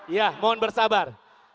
ya mohon bersabar